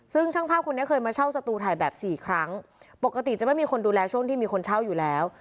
ซึ่งช่างภาพคนนี้เคยมาเช่าสตูถ่ายแบบสี่ครั้งปกติจะไม่มีคนดูแลช่วงที่มีคนเช่าอยู่แล้ว